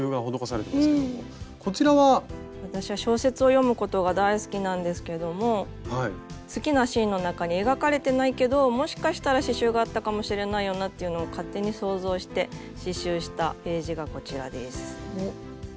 私は小説を読むことが大好きなんですけども好きなシーンの中に描かれてないけどもしかしたら刺しゅうがあったかもしれないよなっていうのを勝手に想像して刺しゅうしたページがこちらです。